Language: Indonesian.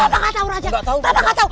bapak gak tau raja bapak gak tau